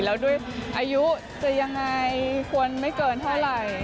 แล้วด้วยอายุจะยังไงควรไม่เกินเท่าไหร่